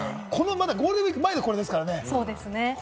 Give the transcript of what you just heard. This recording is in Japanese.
ゴールデンウイーク前でこれですからね。